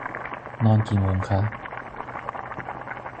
นอนกี่โมงคะ